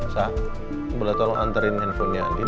sa boleh tolong anterin handphonenya andin